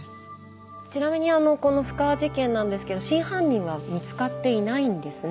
ちなみにこの布川事件なんですけど真犯人は見つかっていないんですね